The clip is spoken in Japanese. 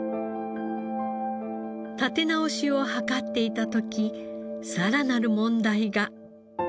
立て直しを図っていた時さらなる問題が。